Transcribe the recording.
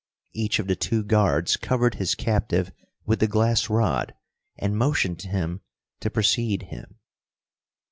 Each of the two guards covered his captive with the glass rod and motioned to him to precede him.